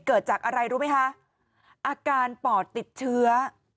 เกิดจากอะไรรู้ไหมคะอาการปอดติดเชื้อ